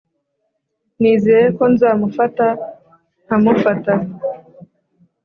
nizeye ko nzamufata nkamufata.